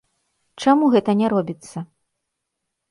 Чаму гэта не робіцца?